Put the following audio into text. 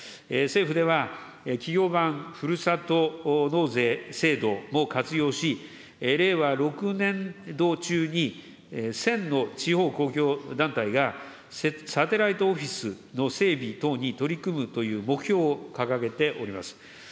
政府では、企業版ふるさと納税制度を活用し、令和６年度中に１０００の地方公共団体がサテライトオフィスの整備等に取り組むという目標を掲げております。